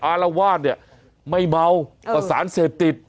อารวาสเนี่ยไม่เมาประสานเสพติด